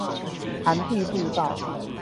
涵碧步道